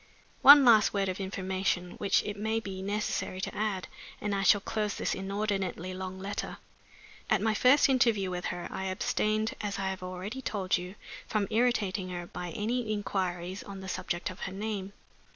One last word of information, which it may be necessary to add, and I shall close this inordinately long letter. At my first interview with her I abstained, as I have already told you, from irritating her by any inquiries on the subject of her name.